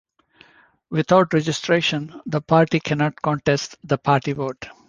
Without registration, the party cannot contest the party vote.